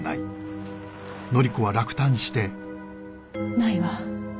ないわ。